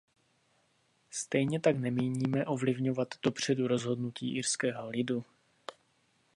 Stejně tak nemíníme ovlivňovat dopředu rozhodnutí irského lidu.